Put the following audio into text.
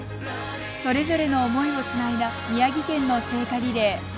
それぞれの思いをつないだ宮城県の聖火リレー。